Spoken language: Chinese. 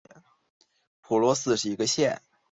惠勒县是美国俄勒冈州中北部的一个县。